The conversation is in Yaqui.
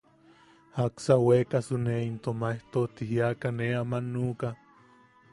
Jaksa weekasu nee into maejto ti jiaka nee aman nuʼuka.